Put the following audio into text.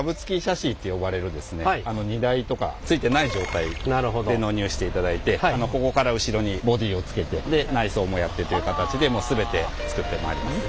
荷台とかついてない状態で納入していただいてここから後ろにボディーをつけてで内装もやってという形で全て作ってまいります。